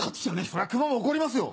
そりゃ熊も怒りますよ。